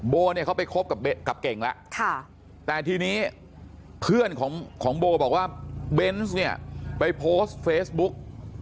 เนี่ยเขาไปคบกับเก่งแล้วแต่ทีนี้เพื่อนของโบบอกว่าเบนส์เนี่ยไปโพสต์เฟซบุ๊ก